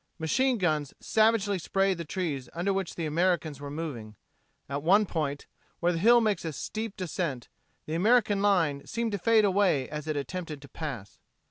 Machine guns savagely sprayed the trees under which the Americans were moving. At one point, where the hill makes a steep descent, the American line seemed to fade away as it attempted to pass.